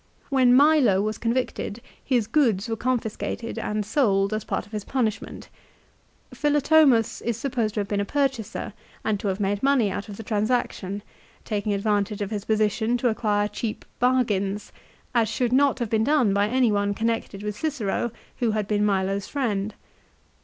When Milo was convicted his goods were confiscated and sold as a part of his punish ment. Philotomus is supposed to have been a purchaser and to have made money out of the transaction, taking advantage of his position to acquire cheap bargains ; as should not have been done by any one connected with Cicero, who had been Milo's friend.